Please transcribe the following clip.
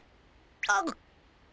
あっ。